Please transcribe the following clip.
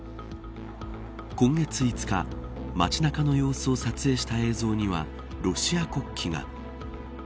今月５日街なかの様子を撮影した映像にはロシア国旗が。